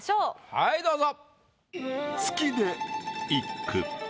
はいどうぞ。